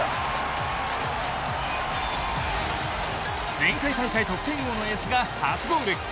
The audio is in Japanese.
前回大会得点王のエースが初ゴール。